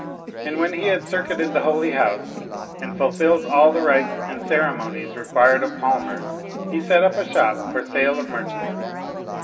And when he had circuited the Holy House, and fulfilled all the rites and ceremonies required of palmers, he set up a shop for sale of merchandise.